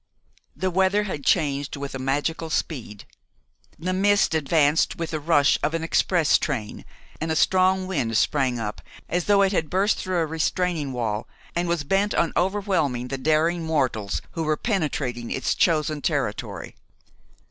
The weather had changed with a magical speed. The mist advanced with the rush of an express train, and a strong wind sprang up as though it had burst through a restraining wall and was bent on overwhelming the daring mortals who were penetrating its chosen territory.